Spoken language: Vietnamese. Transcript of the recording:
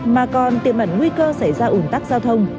mà còn tiềm ẩn nguy cơ xảy ra ủn tắc giao thông